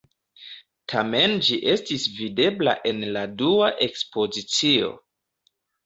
Tamen ĝi estis videbla en la dua ekspozicio.